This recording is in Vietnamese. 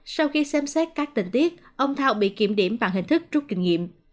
sau khi xem xét các tình tiết ông thao bị kiểm điểm bằng hình thức rút kinh nghiệm